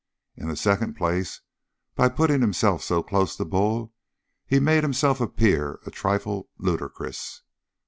In the second place, by putting himself so close to Bull, he made himself appear a trifle ludicrous.